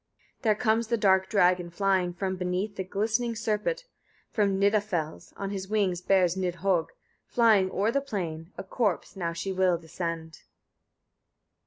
65. There comes the dark dragon flying from beneath the glistening serpent, from Nida fels. On his wings bears Nidhögg, flying o'er the plain, a corpse. Now she will descend.